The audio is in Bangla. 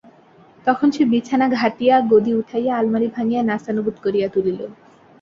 তখন সে বিছানা ঘাঁটিয়া, গদি উঠাইয়া, আলমারি ভাঙিয়া নাস্তানাবুদ করিয়া তুলিল।